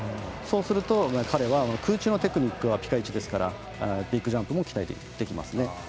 そうすると、彼は空中のテクニックはピカイチですからビッグジャンプも期待できますね。